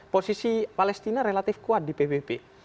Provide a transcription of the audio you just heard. posisi palestina relatif kuat di pbb